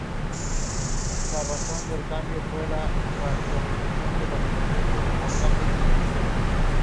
As Player